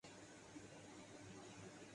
جلدی آو؛ بچہ ڈوب رہا ہے